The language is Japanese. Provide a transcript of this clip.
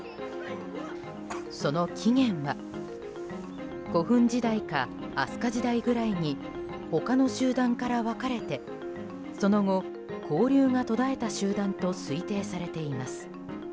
その起源は古墳時代か飛鳥時代ぐらいに他の集団から分かれてその後、交流が途絶えた集団と推定されています。